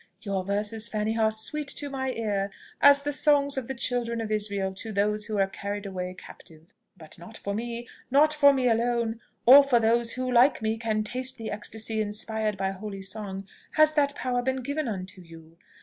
Your verses, Fanny, are sweet to my ear, as the songs of the children of Israel to those who were carried away captive. But not for me not for me alone, or for those who, like me, can taste the ecstasy inspired by holy song, has that power been given unto you.